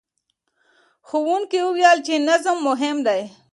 ښوونکي وویل چې نظم مهم دی.